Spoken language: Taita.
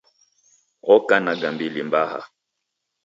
Oka na gambili mbaha